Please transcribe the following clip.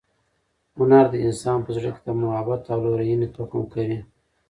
هنر د انسان په زړه کې د محبت او لورینې تخم کري.